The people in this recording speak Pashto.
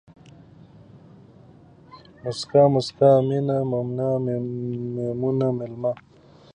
موسکا ، مُسکا، مينه ، مماڼه ، ميمونه ، ململه